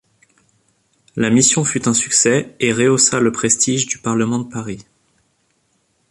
La mission fut un succès et rehaussa le prestige du Parlement de Paris.